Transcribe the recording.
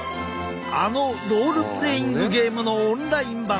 あのロールプレーイングゲームのオンライン版